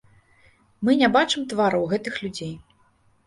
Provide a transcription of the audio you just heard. Мы не бачым твараў гэтых людзей.